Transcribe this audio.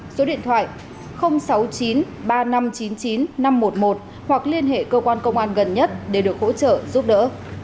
số điện thoại sáu mươi chín ba nghìn năm trăm chín mươi chín năm trăm một mươi một hoặc liên hệ cơ quan công an gần nhất để được hỗ trợ giúp đỡ